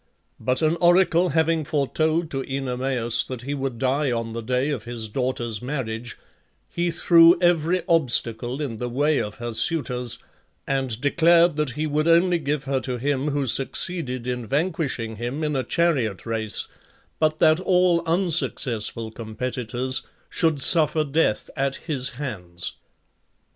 But an oracle having foretold to Oenomaus that he would die on the day of his daughter's marriage, he threw every obstacle in the way of her suitors, and declared that he would only give her to him who succeeded in vanquishing him in a chariot race, but that all unsuccessful competitors should suffer death at his hands.